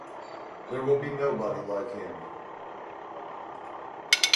There will be nobody like him.